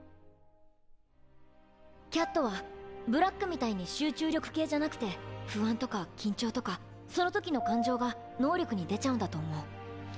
キャットはブラックみたいに集中力系じゃなくて不安とか緊張とかその時の感情が能力に出ちゃうんだと思う。